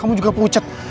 kamu juga pucat